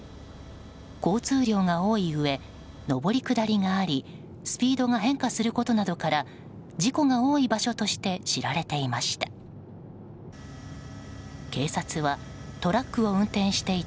交通量が多いうえ上り・下りがありスピードが変化することなどから事故が多い場所として知られていました。